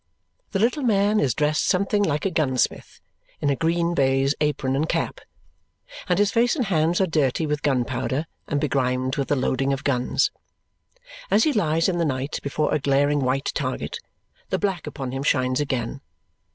The little man is dressed something like a gunsmith, in a green baize apron and cap; and his face and hands are dirty with gunpowder and begrimed with the loading of guns. As he lies in the light before a glaring white target, the black upon him shines again.